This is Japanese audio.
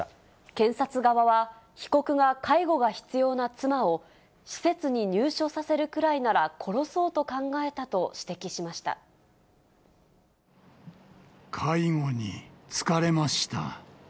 検察側は、被告が、介護が必要な妻を、施設に入所させるくらいなら殺そ介護に疲れました。